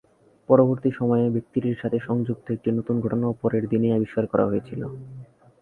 পরবর্তী সময়ে, ব্যক্তিটির সাথে সংযুক্ত একটি নতুন ঘটনাও পরের দিনেই আবিষ্কার করা হয়েছিল।